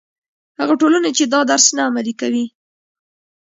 هغه ټولنې چې دا درس نه عملي کوي.